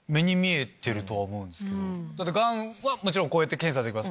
ガンはもちろんこうやって検査できます。